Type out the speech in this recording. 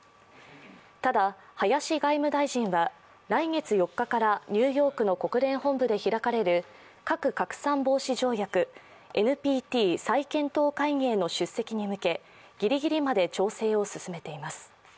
ただ、林外務大臣は、来月４日からニューヨークの国連本部で開かれる核拡散防止条約ＮＰＴの再現に向けてぎりぎりまで調整を進めています。